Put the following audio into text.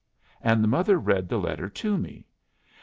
And the mother read the letter to me.